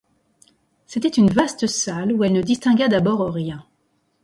C'était une vaste salle, où elle ne distingua d'abord rien.